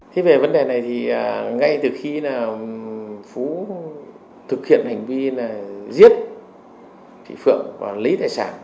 thế về vấn đề này thì ngay từ khi là phú thực hiện hành vi là giết chị phượng và lấy tài sản